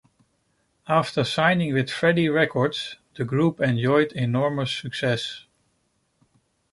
After signing with Freddie Records, the group enjoyed enormous success.